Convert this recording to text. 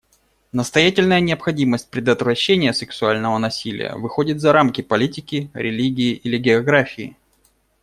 Настоятельная необходимость предотвращения сексуального насилия выходит за рамки политики, религии или географии.